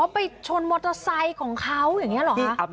ไปชนมอเตอร์ไซค์ของเขาอย่างนี้เหรอคะ